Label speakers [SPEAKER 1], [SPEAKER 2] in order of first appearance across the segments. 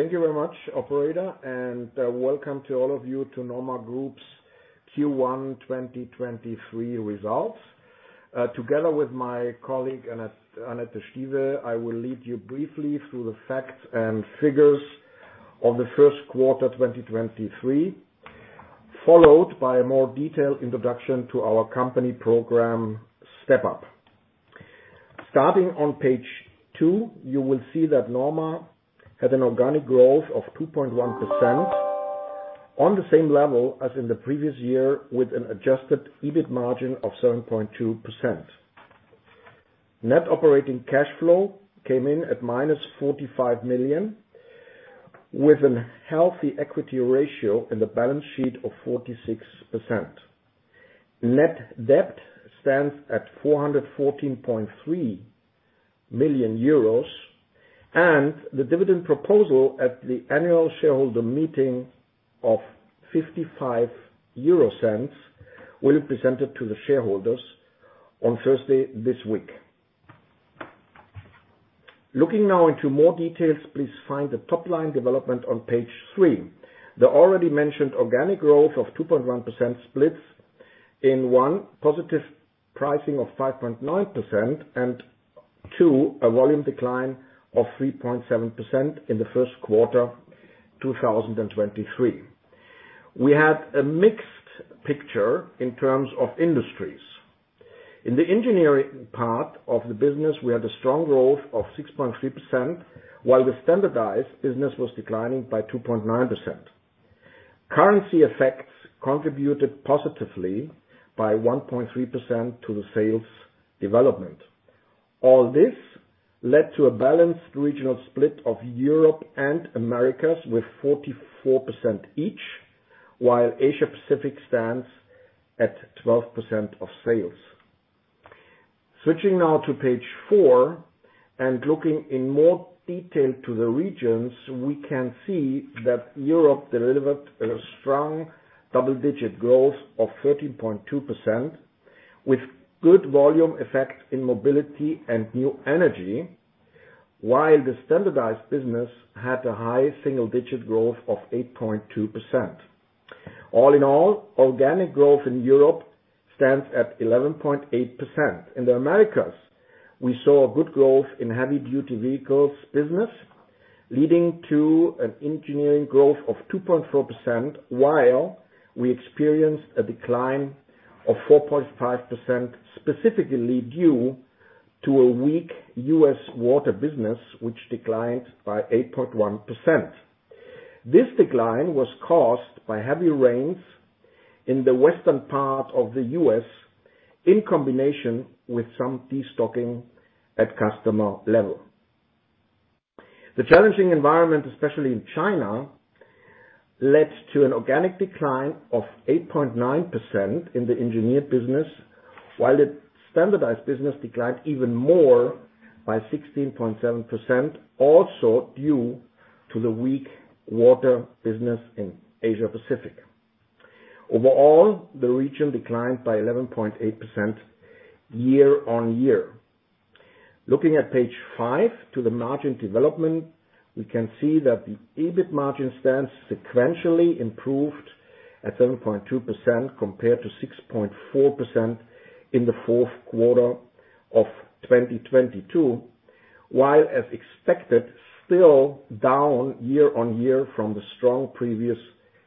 [SPEAKER 1] Thank you very much, operator, welcome to all of you to NORMA Group's Q1 2023 results. Together with my colleague, Annette Stieve, I will lead you briefly through the facts and figures of the first quarter, 2023, followed by a more detailed introduction to our company program, Step Up. Starting on page two, you will see that NORMA had an organic growth of 2.1% on the same level as in the previous year, with an adjusted EBIT margin of 7.2%. Net operating cash flow came in at -45 million, with an healthy equity ratio in the balance sheet of 46%. Net debt stands at 414.3 million euros, the dividend proposal at the annual shareholder meeting of 0.55 will be presented to the shareholders on Thursday this week. Looking now into more details, please find the top line development on page three. The already mentioned organic growth of 2.1% splits in one, positive pricing of 5.9%, and two, a volume decline of 3.7% in the 1st quarter, 2023. We had a mixed picture in terms of industries. In the engineering part of the business, we had a strong growth of 6.3%, while the standardized business was declining by 2.9%. Currency effects contributed positively by 1.3% to the sales development. All this led to a balanced regional split of Europe and Americas with 44% each, while Asia-Pacific stands at 12% of sales. Switching now to page four, looking in more detail to the regions, we can see that Europe delivered a strong double-digit growth of 13.2%, with good volume effect in mobility and new energy, while the standardized business had a high single-digit growth of 8.2%. All in all, organic growth in Europe stands at 11.8%. In the Americas, we saw a good growth in heavy-duty vehicles business, leading to an engineering growth of 2.4%, while we experienced a decline of 4.5%, specifically due to a weak U.S. water business, which declined by 8.1%. This decline was caused by heavy rains in the western part of the U.S. in combination with some destocking at customer level. The challenging environment, especially in China, led to an organic decline of 8.9% in the engineered business, while the standardized business declined even more by 16.7%, also due to the weak water business in Asia-Pacific. Overall, the region declined by 11.8% year-on-year. Looking at page five to the margin development, we can see that the EBIT margin stands sequentially improved at 7.2% compared to 6.4% in the fourth quarter of 2022. While as expected, still down year-on-year from the strong previous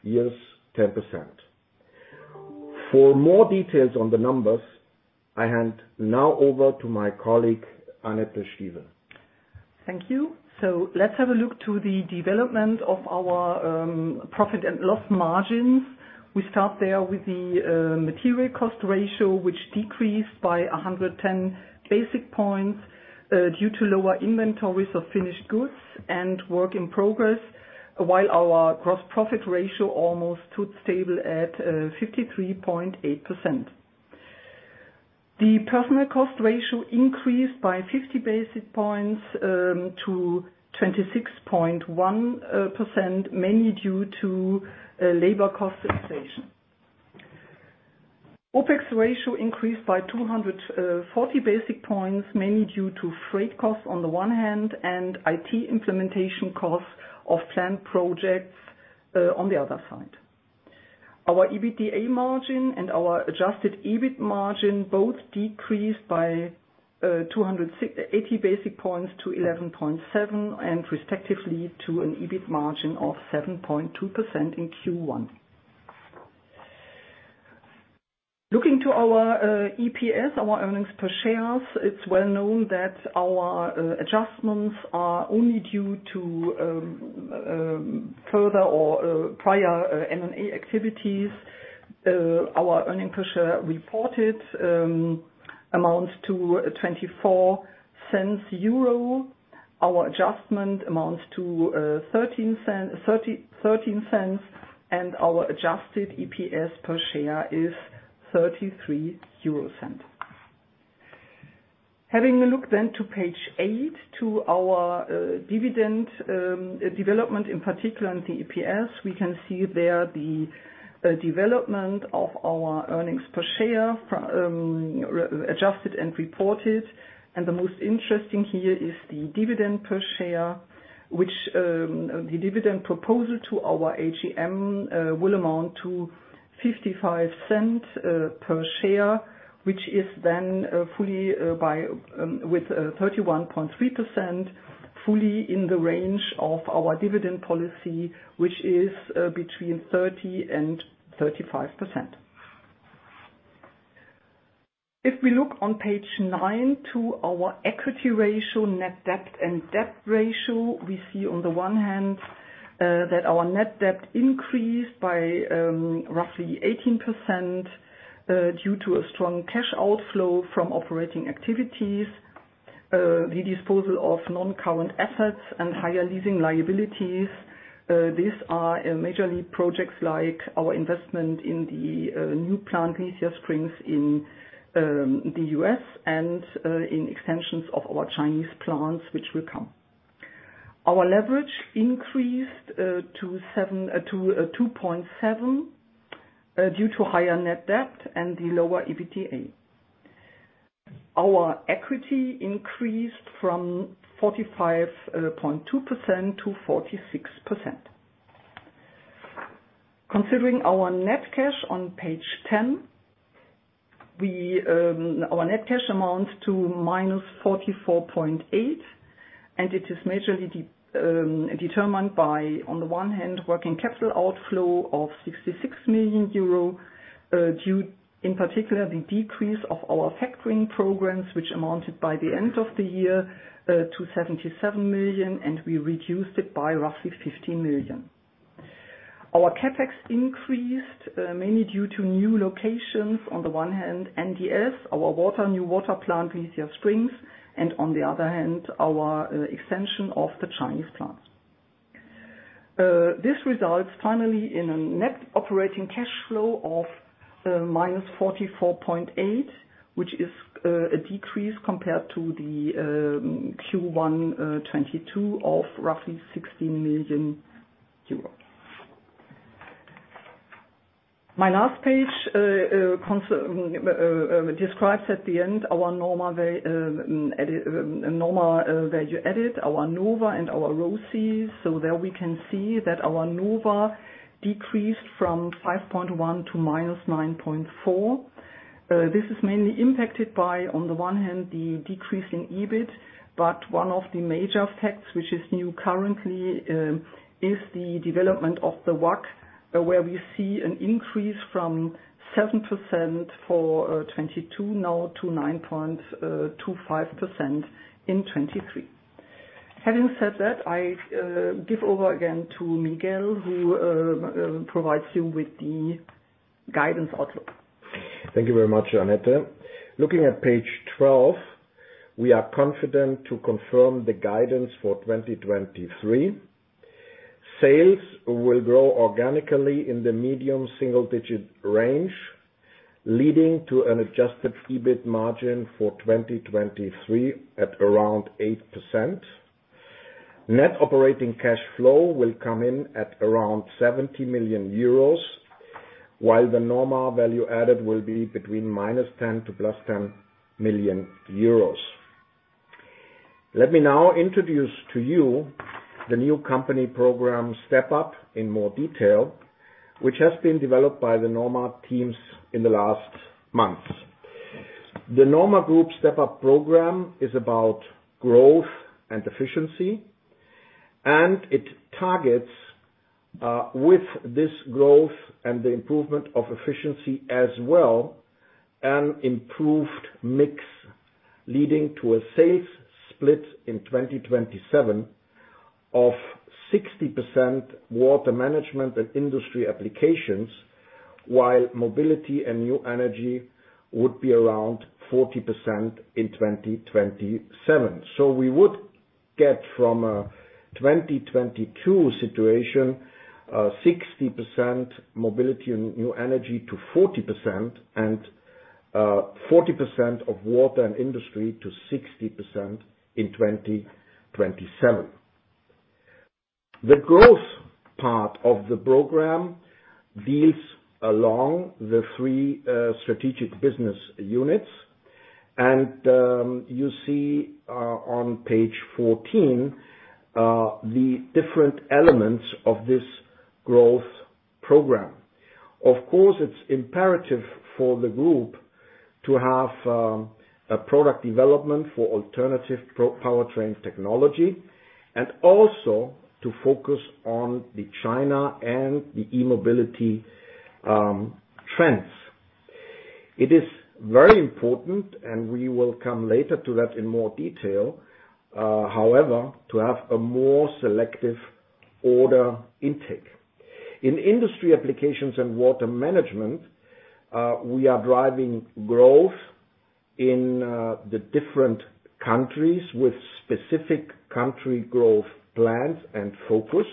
[SPEAKER 1] year's 10%. For more details on the numbers, I hand now over to my colleague, Annette Stieve.
[SPEAKER 2] Thank you. Let's have a look to the development of our profit and loss margins. We start there with the material cost ratio, which decreased by 110 basic points due to lower inventories of finished goods and work in progress, while our gross profit ratio almost stood stable at 53.8%. The personal cost ratio increased by 50 basic points to 26.1%, mainly due to labor cost inflation. OpEx ratio increased by 240 basic points, mainly due to freight costs on the one hand and IT implementation costs of planned projects on the other side. Our EBITDA margin and our adjusted EBIT margin both decreased by 280 basic points to 11.7%, and respectively to an EBIT margin of 7.2% in Q1. Looking to our EPS, our earnings per shares, it's well known that our adjustments are only due to further or prior M&A activities. Our earning per share reported amounts to 0.24. Our adjustment amounts to 0.13, and our adjusted EPS per share is 0.33. Having a look to page eight, to our dividend development, in particular in the EPS. We can see there the development of our earnings per share from adjusted and reported. The most interesting here is the dividend per share, which the dividend proposal to our AGM will amount to 0.55 per share, which is then fully by with 31.3% fully in the range of our dividend policy, which is between 30%-35%. If we look on page nine to our equity ratio, net debt and debt ratio, we see on the one hand that our net debt increased by roughly 18% due to a strong cash outflow from operating activities, the disposal of non-current assets, and higher leasing liabilities. These are majorly projects like our investment in the new plant, Lithia Springs in the U.S. and in extensions of our Chinese plants, which will come. Our leverage increased to 2.7 due to higher net debt and the lower EBITDA. Our equity increased from 45.2% to 46%. Considering our net cash on page 10, we, our net cash amounts to -44.8, and it is majorly determined by, on the one hand, working capital outflow of 66 million euro, due in particular the decrease of our factoring programs, which amounted by the end of the year to 77 million, and we reduced it by roughly 50 million. Our CapEx increased mainly due to new locations, on the one hand, NDS, our water, new water plant, Lithia Springs, and on the other hand, our extension of the Chinese plants. This results finally in a net operating cash flow of -44.8, which is a decrease compared to the Q1 2022 of roughly EUR 16 million. My last page describes at the end our NOVA and our ROCE. There we can see that our NOVA decreased from 5.1 to -9.4. This is mainly impacted by, on the one hand, the decrease in EBIT, but one of the major effects, which is new currently, is the development of the WACC, where we see an increase from 7% for 2022, now to 9.25% in 2023. Having said that, I give over again to Miguel, who provides you with the guidance outlook.
[SPEAKER 1] Thank you very much, Annette. Looking at page 12, we are confident to confirm the guidance for 2023. Sales will grow organically in the medium single-digit range, leading to an adjusted EBIT margin for 2023 at around 8%. Net operating cash flow will come in at around 70 million euros, while the NORMA Value Added will be between -10 million euros to +EUR 10 million. Let me now introduce to you the new company program Step Up in more detail, which has been developed by the NORMA teams in the last months. The NORMA Group Step Up program is about growth and efficiency, it targets with this growth and the improvement of efficiency as well, an improved mix leading to a safe split in 2027 of 60% water management and industry applications, while mobility and new energy would be around 40% in 2027. We would get from a 2022 situation, 60% mobility and new energy to 40% and 40% of water and industry to 60% in 2027. The growth part of the program deals along the three strategic business units. You see on page 14 the different elements of this growth program. Of course, it's imperative for the group to have a product development for alternative powertrain technology and also to focus on the China and the e-mobility trends. It is very important, and we will come later to that in more detail, however, to have a more selective order intake. In industry applications and water management, we are driving growth in the different countries with specific country growth plans and focus.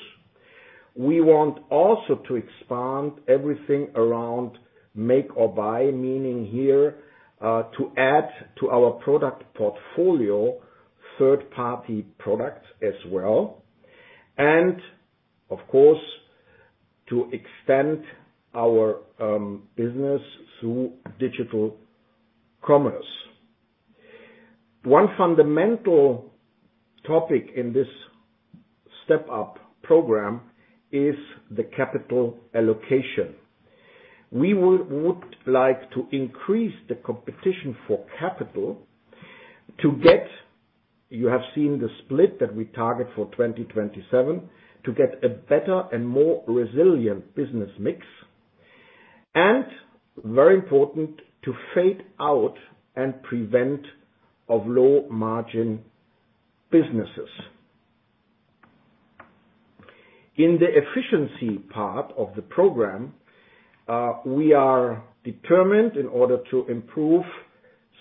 [SPEAKER 1] We want also to expand everything around make or buy, meaning here, to add to our product portfolio third-party products as well. Of course, to extend our business through digital commerce. One fundamental topic in this Step Up program is the capital allocation. We would like to increase the competition for capital. You have seen the split that we target for 2027, to get a better and more resilient business mix, and very important, to fade out and prevent of low-margin businesses. In the efficiency part of the program, we are determined in order to improve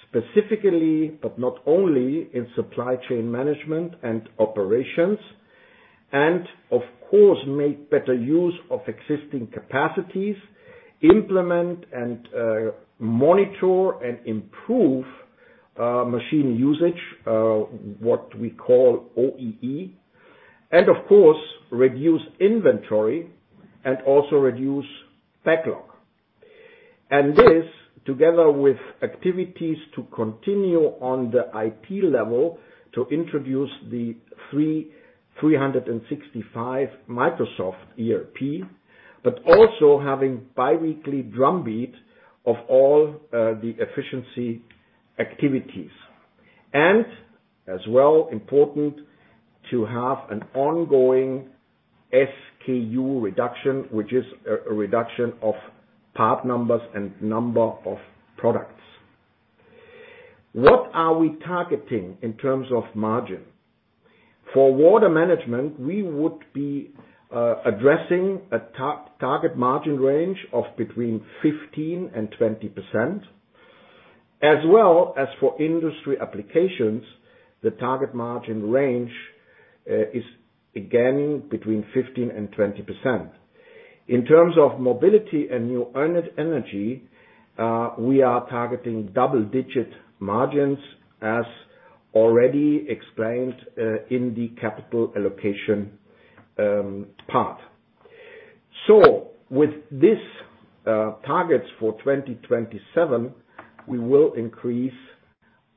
[SPEAKER 1] specifically, but not only in supply chain management and operations, and of course make better use of existing capacities, implement and monitor, and improve machine usage, what we call OEE, and of course, reduce inventory and also reduce backlog. This together with activities to continue on the IT level to introduce the 365 Microsoft ERP, but also having bi-weekly drumbeat of all the efficiency activities. As well important to have an ongoing SKU reduction, which is a reduction of part numbers and number of products. What are we targeting in terms of margin? For water management, we would be addressing a target margin range of between 15% and 20%. As well as for industry applications, the target margin range is again between 15% and 20%. In terms of mobility and new energy, we are targeting double-digit margins as already explained in the capital allocation part. With this targets for 2027, we will increase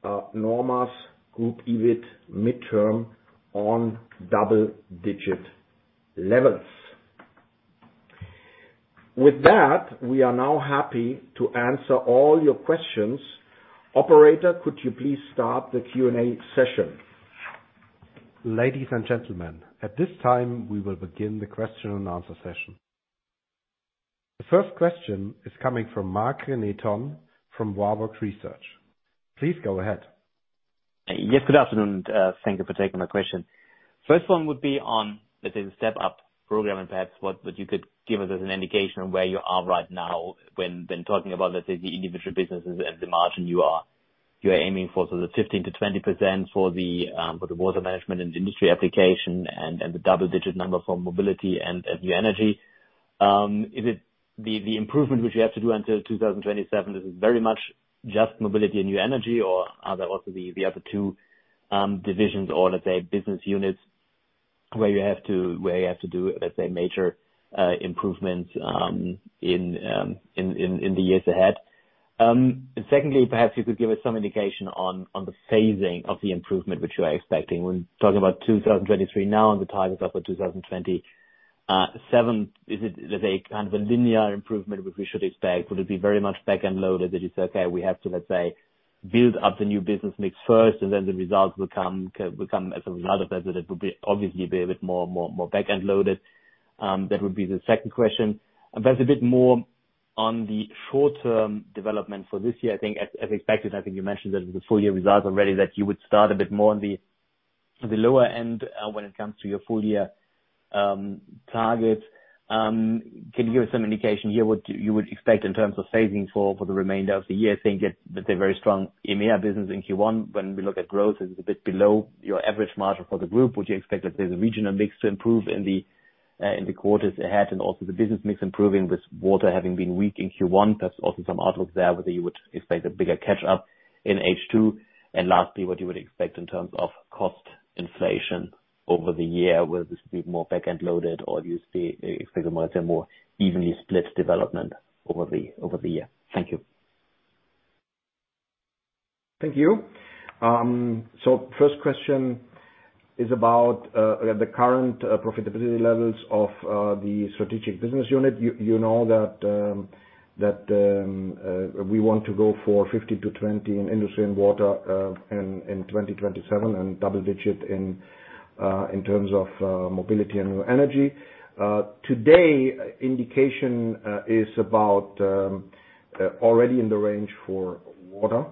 [SPEAKER 1] NORMA Group's EBIT midterm on double-digit levels. With that, we are now happy to answer all your questions. Operator, could you please start the Q&A session?
[SPEAKER 3] Ladies and gentlemen, at this time, we will begin the question and answer session. The first question is coming from Marc-René Tonn, from Warburg Research. Please go ahead.
[SPEAKER 4] Yes, good afternoon. Thank you for taking my question. First one would be on, let's say, the Step Up program, and perhaps what you could give us as an indication of where you are right now when talking about, let's say, the individual businesses and the margin you are aiming for. The 15%-20% for the water management and industry application, and the double-digit number for mobility and new energy. Is it the improvement which you have to do until 2027, is it very much just mobility and new energy or are there also the other two divisions or let's say business units where you have to do, let's say, major improvements in the years ahead? Secondly, perhaps you could give us some indication of the phasing of the improvement which you are expecting. We're talking about 2023 now, and the target is up for 2027. Is it, let's say, kind of a linear improvement which we should expect? Would it be very much back-end loaded that it's okay, we have to, let's say, build up the new business mix first and then the results will come as another visit. It would obviously be a bit more back-end loaded. That would be the second question. Perhaps a bit more on the short-term development for this year. I think as expected, I think you mentioned that the full year results already, that you would start a bit more on the lower end when it comes to your full year targets. Can you give us some indication here what you would expect in terms of phasing for the remainder of the year, seeing it with a very strong EMEA business in Q1? We look at growth, it's a bit below your average margin for the group. Would you expect that there's a regional mix to improve in the quarters ahead and also the business mix improving with water having been weak in Q1? That's also some outlook there, whether you would expect a bigger catch-up in H2. Lastly, what you would expect in terms of cost inflation over the year. Will this be more back-end loaded or do you see, expect a more, say, more evenly split development over the year? Thank you.
[SPEAKER 1] Thank you. First question is about the current profitability levels of the strategic business unit. You know that we want to go for 50%-20% in industry and water in 2027, and double digit in terms of mobility and new energy. Today, indication is about already in the range for water,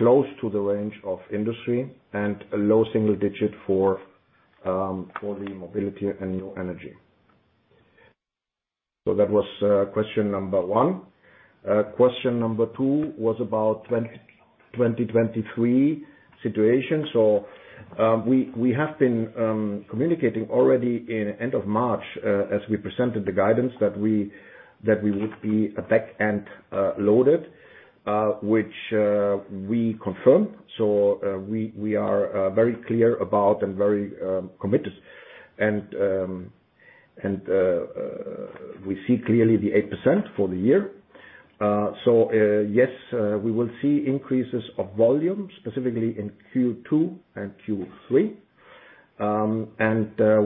[SPEAKER 1] close to the range of industry and a low single digit for the mobility and new energy. So that was question number one. Question number two was about 2023 situation. We have been communicating already in end of March, as we presented the guidance that we would be a back-end loaded, which we confirm. We are very clear about and very committed and we see clearly the 8% for the year. Yes, we will see increases of volume, specifically in Q2 and Q3.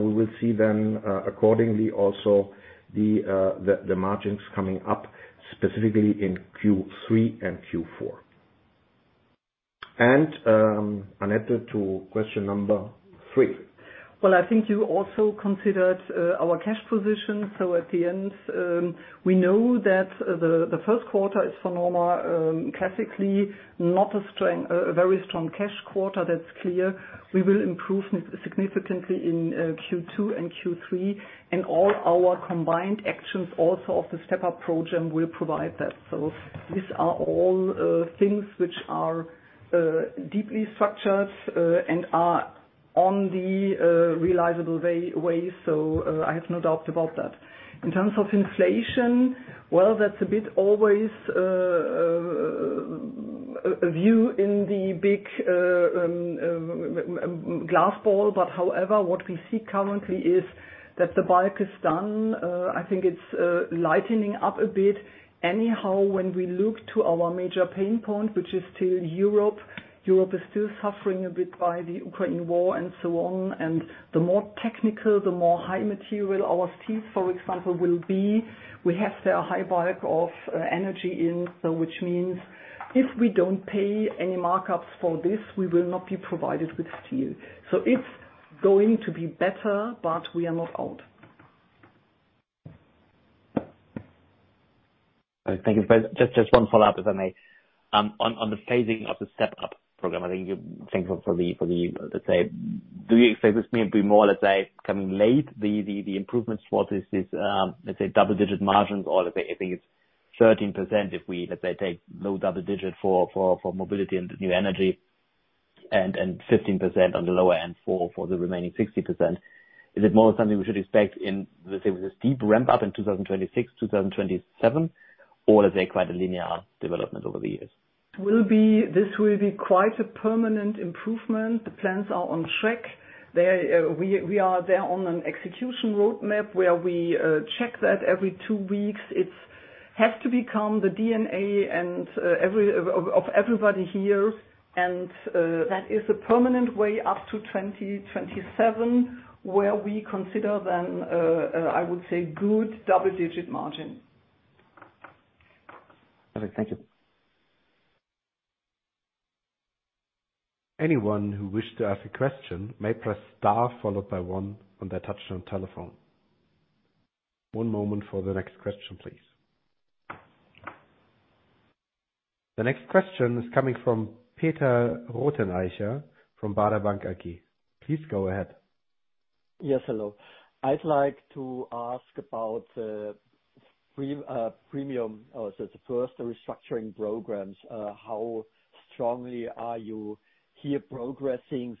[SPEAKER 1] We will see accordingly also the margins coming up specifically in Q3 and Q4. Annette to question number three.
[SPEAKER 2] Well, I think you also considered our cash position. At the end, we know that the first quarter is for NORMA, classically, not a very strong cash quarter. That's clear. We will improve significantly in Q2 and Q3, and all our combined actions also of the Step Up program will provide that. These are all things which are deeply structured and are on the realizable way. I have no doubt about that. In terms of inflation, well, that's a bit always a view in the big glass ball. However, what we see currently is that the bulk is done. I think it's lightening up a bit. Anyhow, when we look to our major pain point, which is still Europe is still suffering a bit by the Ukraine war and so on. The more technical, the more high material our steel, for example, will be. We have a high bulk of energy in, which means if we don't pay any markups for this, we will not be provided with steel. It's going to be better, but we are not out.
[SPEAKER 4] Thank you. Just one follow-up, if I may. On the phasing of the Step Up program, I think you're thankful for the, let's say. Do you expect this may be more, let's say, coming late, the improvements for this, let's say, double-digit margins or if it's 13%, if we, let's say, take low double digit for mobility and new energy and 15% on the lower end for the remaining 60%. Is it more something we should expect in, let's say, with this deep ramp up in 2026-2027? Or is there quite a linear development over the years?
[SPEAKER 2] This will be quite a permanent improvement. The plans are on track. we are there on an execution roadmap where we check that every two weeks. It's has to become the DNA and every, of everybody here. That is a permanent way up to 2027, where we consider then I would say good double-digit margin.
[SPEAKER 4] Okay, thank you.
[SPEAKER 3] Anyone who wished to ask a question may press star followed by one on their touch-tone telephone. One moment for the next question, please. The next question is coming from Peter Rothenaicher from Baader Bank AG. Please go ahead.
[SPEAKER 5] Yes, hello. I'd like to ask about the premium or the first restructuring programs. How strongly are you here progressing?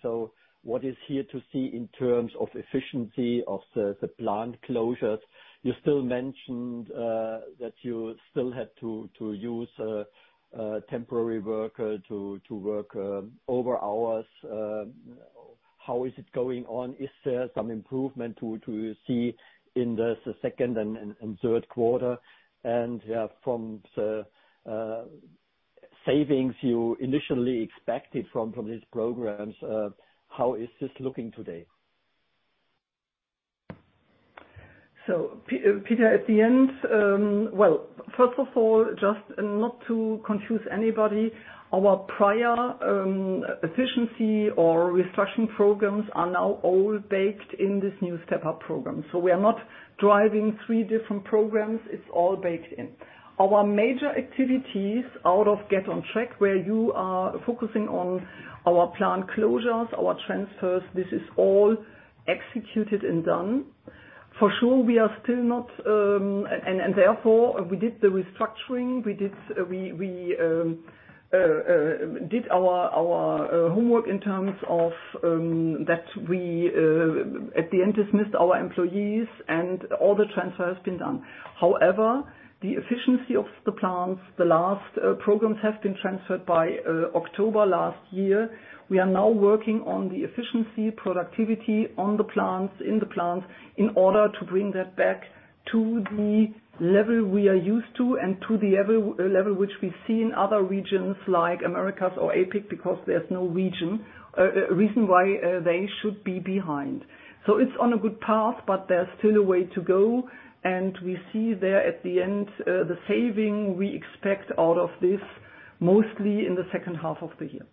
[SPEAKER 5] What is here to see in terms of efficiency of the plant closures? You still mentioned that you still had to use temporary worker to work over hours. How is it going on? Is there some improvement to see in the second and third quarter? From the savings you initially expected from these programs, how is this looking today?
[SPEAKER 2] Peter, at the end, well, first of all, just not to confuse anybody. Our prior efficiency or restructuring programs are now all baked in this new Step Up program. We are not driving three different programs. It's all baked in. Our major activities out of Get on Track, where you are focusing on our plant closures, our transfers, this is all executed and done. For sure, we are still not. Therefore, we did the restructuring. We did our homework in terms of that we at the end, dismissed our employees and all the transfer has been done. The efficiency of the plants, the last programs have been transferred by October last year. We are now working on the efficiency, productivity on the plants, in the plants in order to bring that back to the level we are used to and to the level which we see in other regions like Americas or APAC, because there's no reason why they should be behind. It's on a good path, but there's still a way to go. We see there at the end, the saving we expect out of this, mostly in the second half of the year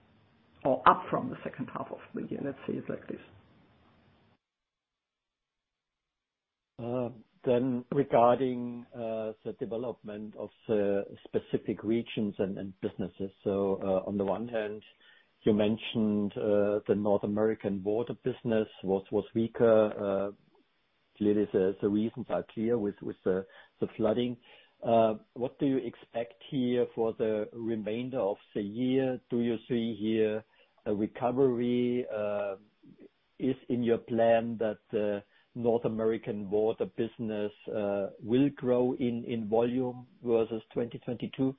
[SPEAKER 2] or up from the second half of the year. Let's say it like this.
[SPEAKER 5] Regarding the development of specific regions and businesses. On the one hand, you mentioned the North American water business was weaker. Clearly the reasons are clear with the flooding. What do you expect here for the remainder of the year? Do you see here a recovery? Is in your plan that North American water business will grow in volume versus 2022?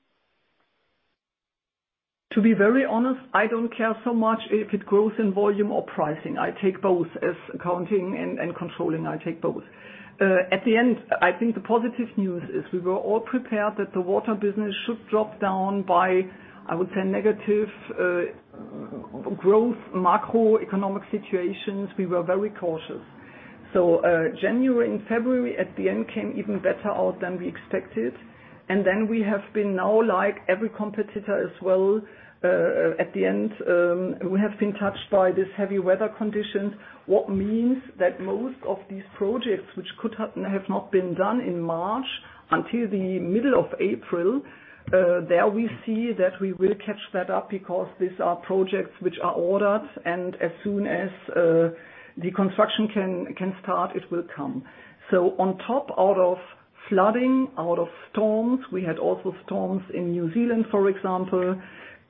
[SPEAKER 2] To be very honest, I don't care so much if it grows in volume or pricing. I take both as accounting and controlling. I take both. At the end, I think the positive news is we were all prepared that the water business should drop down by, I would say, negative growth macroeconomic situations. We were very cautious. January and February at the end came even better out than we expected. We have been now, like every competitor as well, at the end, we have been touched by this heavy weather conditions. What means that most of these projects which could have not been done in March until the middle of April, there we see that we will catch that up because these are projects which are ordered, and as soon as the construction can start, it will come. On top out of flooding, out of storms, we had also storms in New Zealand, for example.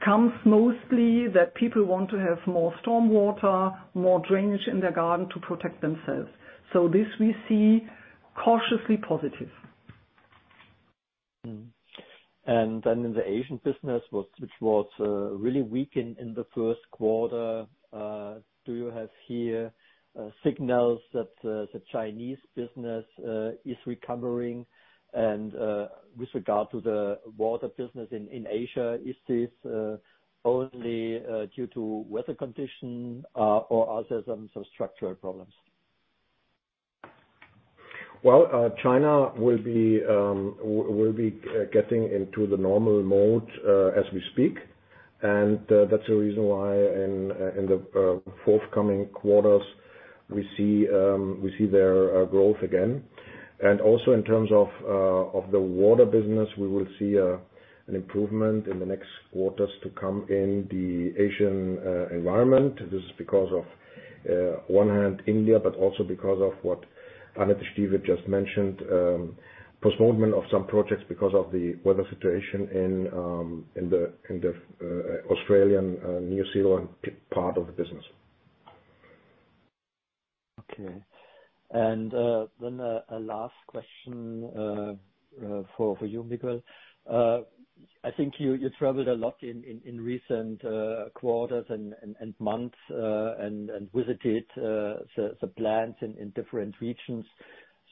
[SPEAKER 2] Comes mostly that people want to have more storm water, more drainage in their garden to protect themselves. This we see cautiously positive.
[SPEAKER 5] In the Asian business was, which was really weak in the first quarter, do you have here signals that the Chinese business is recovering? With regard to the water business in Asia, is this only due to weather condition or are there some structural problems?
[SPEAKER 1] Well, China will be getting into the normal mode as we speak. That's the reason why in the forthcoming quarters we see their growth again. Also in terms of the water business, we will see an improvement in the next quarters to come in the Asian environment. This is because of one hand India, but also because of what Annette Stieve just mentioned, postponement of some projects because of the weather situation in the Australian and New Zealand part of the business.
[SPEAKER 5] Okay. Then a last question for you, Miguel. I think you traveled a lot in recent quarters and months and visited the plants in different regions.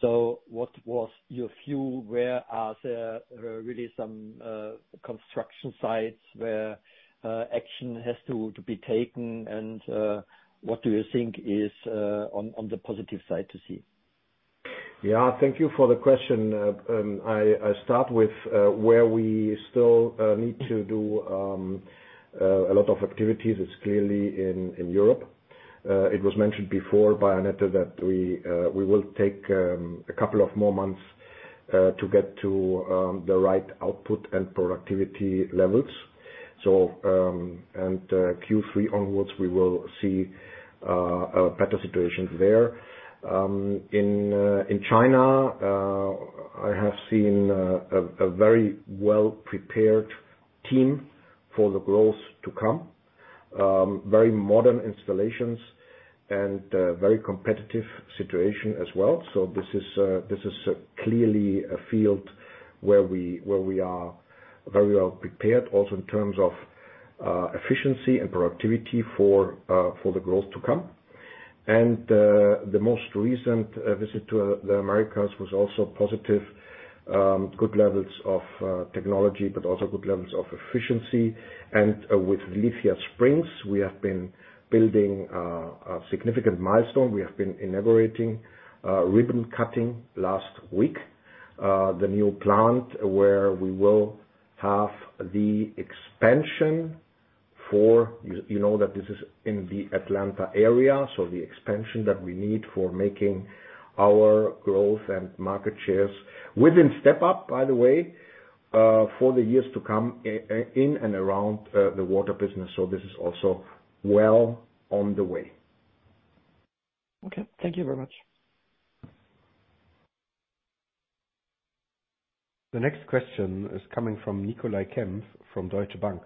[SPEAKER 5] What was your view? Where are there really some construction sites where action has to be taken? What do you think is on the positive side to see?
[SPEAKER 1] Yeah. Thank you for the question. I'll start with where we still need to do a lot of activities. It's clearly in Europe. It was mentioned before by Annette that we will take a couple of more months to get to the right output and productivity levels. Q3 onwards, we will see a better situation there. In China, I have seen a very well-prepared team for the growth to come. Very modern installations and very competitive situation as well. This is clearly a field where we are very well prepared, also in terms of efficiency and productivity for the growth to come. The most recent visit to the Americas was also positive. Good levels of technology, but also good levels of efficiency. With Lithia Springs, we have been building a significant milestone. We have been inaugurating, ribbon-cutting last week. The new plant where we will have the expansion. You know that this is in the Atlanta area, so the expansion that we need for making our growth and market shares within StepUp, by the way, for the years to come in and around the water business. This is also well on the way.
[SPEAKER 5] Okay. Thank you very much.
[SPEAKER 3] The next question is coming from Nicolai Kempf from Deutsche Bank.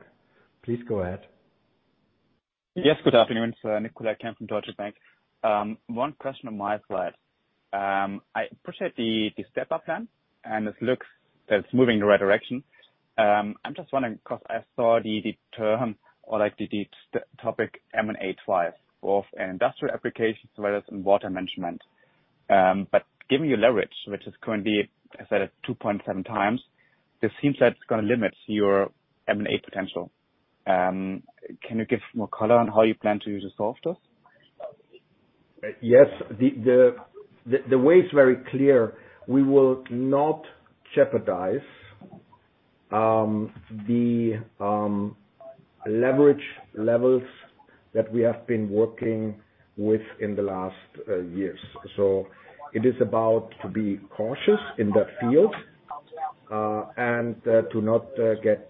[SPEAKER 3] Please go ahead.
[SPEAKER 6] Good afternoon. It's Nicolai Kempf from Deutsche Bank. 1 question on my side. I appreciate the Step Up plan, and it looks that it's moving in the right direction. I'm just wondering, 'cause I saw the term or like the topic M&A twice, both in industrial applications as well as in water management. Given your leverage, which is currently, I said it, 2.7 times, this seems that it's gonna limit your M&A potential. Can you give more color on how you plan to resolve this?
[SPEAKER 1] Yes. The way is very clear. We will not jeopardize the leverage levels that we have been working with in the last years. It is about to be cautious in that field, and to not get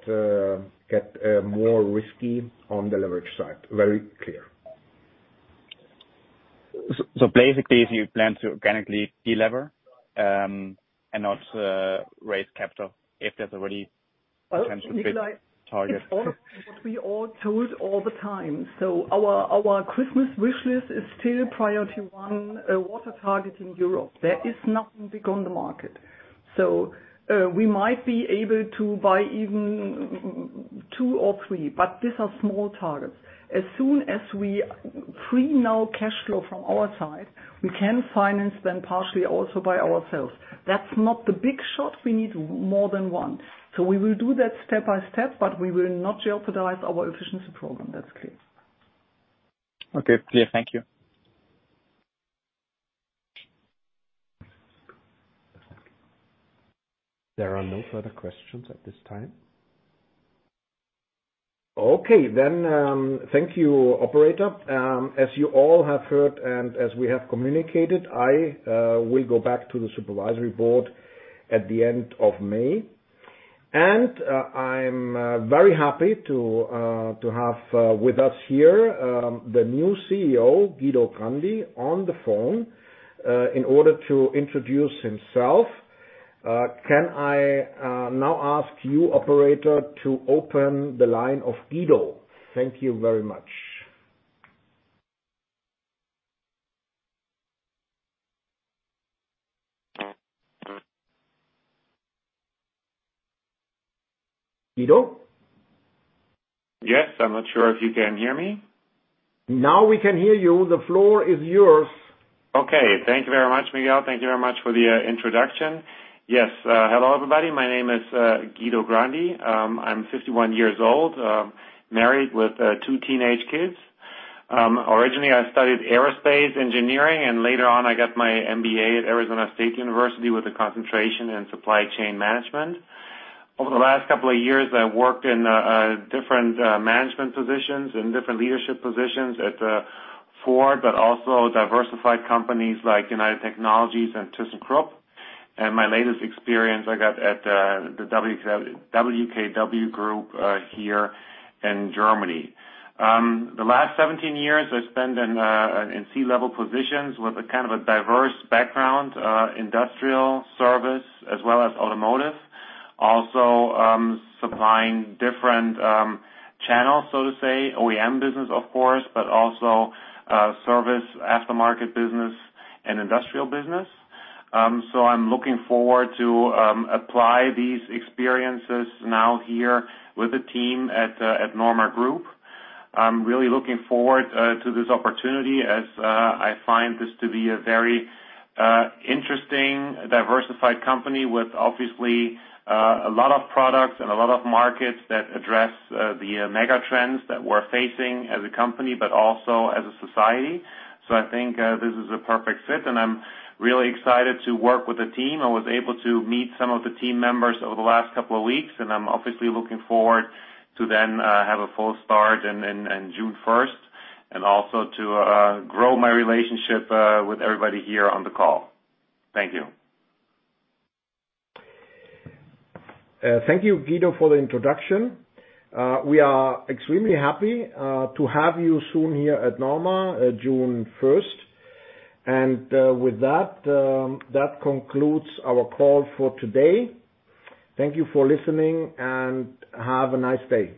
[SPEAKER 1] more risky on the leverage side. Very clear.
[SPEAKER 6] Basically, if you plan to organically de-lever, and not, raise capital if there's already potential fit target.
[SPEAKER 2] Nicolai, it's what we all told all the time. Our Christmas wish list is still priority one water target in Europe. There is nothing big on the market. We might be able to buy even two or three, but these are small targets. As soon as we free now cash flow from our side, we can finance them partially also by ourselves. That's not the big shot, we need more than one. We will do that step by step, but we will not jeopardize our efficiency program. That's clear.
[SPEAKER 6] Okay. Clear. Thank you.
[SPEAKER 3] There are no further questions at this time.
[SPEAKER 1] Okay. Thank you, operator. As you all have heard and as we have communicated, I will go back to the supervisory board at the end of May. I'm very happy to have with us here the new CEO, Guido Grandi, on the phone in order to introduce himself. Can I now ask you, operator, to open the line of Guido? Thank you very much. Guido?
[SPEAKER 7] Yes. I'm not sure if you can hear me?
[SPEAKER 1] Now we can hear you. The floor is yours.
[SPEAKER 7] Okay. Thank you very much, Miguel. Thank you very much for the introduction. Hello, everybody. My name is Guido Grandi. I'm 51 years old, married with two teenage kids. Originally, I studied aerospace engineering, and later on I got my MBA at Arizona State University with a concentration in supply chain management. Over the last couple of years, I worked in different management positions and different leadership positions at Ford, but also diversified companies like United Technologies and ThyssenKrupp. My latest experience I got at the WKW Group here in Germany. The last 17 years I spent in C-level positions with a kind of a diverse background, industrial service as well as automotive. Supplying different channels, so to say, OEM business of course, but also service aftermarket business and industrial business. I'm looking forward to apply these experiences now here with the team at NORMA Group. I'm really looking forward to this opportunity as I find this to be a very interesting, diversified company with obviously a lot of products and a lot of markets that address the mega trends that we're facing as a company, but also as a society. I think this is a perfect fit, and I'm really excited to work with the team. I was able to meet some of the team members over the last couple of weeks, and I'm obviously looking forward to then have a full start in June 1st, and also to grow my relationship with everybody here on the call. Thank you.
[SPEAKER 1] Thank you, Guido, for the introduction. We are extremely happy to have you soon here at NORMA June 1st. With that, that concludes our call for today. Thank you for listening, and have a nice day.